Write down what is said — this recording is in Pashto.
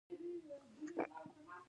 په بریده کې د یوې نجلۍ کیسه ده.